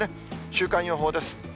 週間予報です。